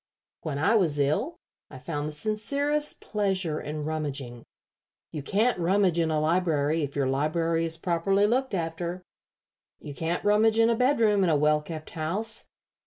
When I was ill I found sincerest pleasure in rummaging. You can't rummage in a library if your library is properly looked after. You can't rummage in a bedroom in a well kept house.